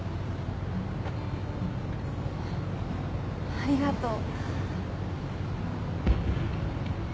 ありがとう。